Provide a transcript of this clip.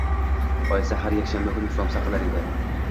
Oyisi har yakshanba kuni somsa qilar edi.